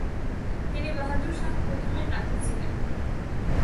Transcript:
তিনি বাহাদুর শাহ প্রথমের নাতি ছিলেন।